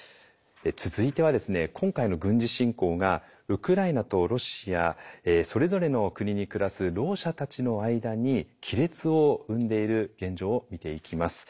続いては今回の軍事侵攻がウクライナとロシアそれぞれの国に暮らすろう者たちの間に亀裂を生んでいる現状を見ていきます。